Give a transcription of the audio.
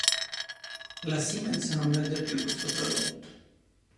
La Siemens non vende più questo prodotto.